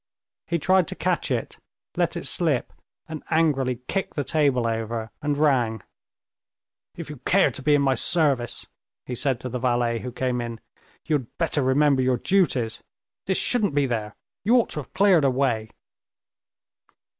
He tried to catch it, let it slip, and angrily kicked the table over and rang. "If you care to be in my service," he said to the valet who came in, "you had better remember your duties. This shouldn't be here. You ought to have cleared away."